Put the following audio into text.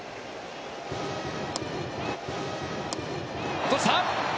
落とした！